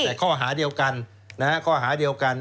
และก็หมายด้วยกันแต่ข้อหาเดียวกัน